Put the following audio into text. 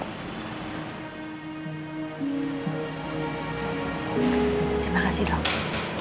terima kasih dok